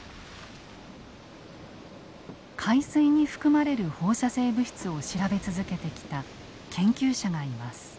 海水に含まれる放射性物質を調べ続けてきた研究者がいます。